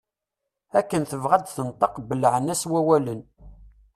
Akken tebɣa ad d-tenṭeq belɛen-as wawalen.